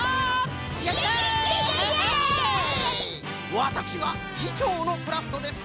わたくしがぎちょうのクラフトです。